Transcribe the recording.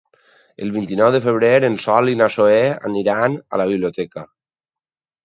El vint-i-nou de febrer en Sol i na Zoè iran a la biblioteca.